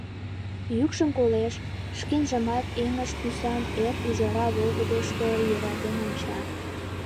Йӱкшым колеш, шкенжымак эҥыж тӱсан эр ӱжара волгыдышто йӧратен онча.